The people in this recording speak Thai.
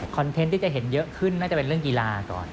เทนต์ที่จะเห็นเยอะขึ้นน่าจะเป็นเรื่องกีฬาก่อน